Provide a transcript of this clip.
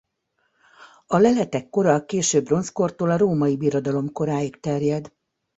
A leletek kora a késő bronzkortól a Római Birodalom koráig terjed.